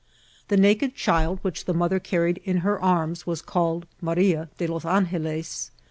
The naked child which the mother carried in her arms was called Mafia de los Angelos.